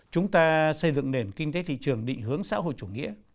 chúng ta xây dựng nền kinh tế thị trường định hướng xã hội chủ nghĩa